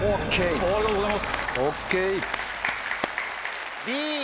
ありがとうございます